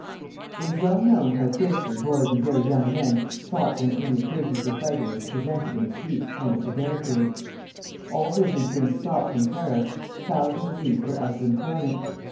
It is well known how fiercely boys and very young men fought when any occasion for fighting was presented in the streets and at the barricades; all business being stopped in Paris, thousands of these were out of employment.